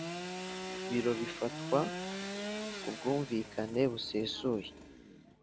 Biro bifatwa ku bwumvikane busesuye